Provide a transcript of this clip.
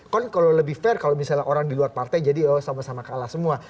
kan kalau lebih fair kalau misalnya orang di luar partai jadi sama sama kalah semua